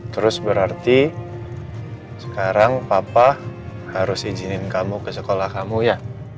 terus berarti sekarang papa harus izinin kamu ke sekolah kamu ya